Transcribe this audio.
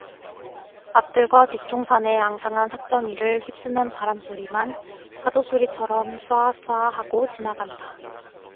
앞뜰과 뒷동산의 앙상한 삭정이를 휩쓰는 바람 소리만 파도 소리처럼 쏴아쏴아 하고 지나간다.